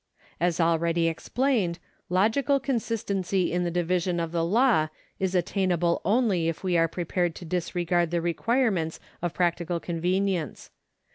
As already explained, logical consistency in the division of the law is attainable only if we are prepared to disregard the requirements of practical convenience.